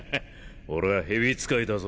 俺は蛇使いだぞ。